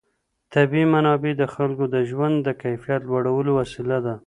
طبیعي منابع د خلکو د ژوند د کیفیت لوړولو وسیله ده.